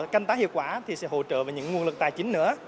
có thể giúp đỡ và hỗ trợ và những nguồn lực tài chính nữa